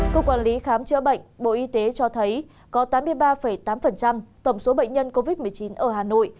cục quản lý khám chữa bệnh bộ y tế cho thấy có tám mươi ba tám tổng số bệnh nhân covid một mươi chín ở hà nội